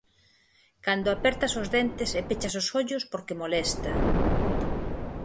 Cando apertas os dentes e pechas os ollos porque molesta.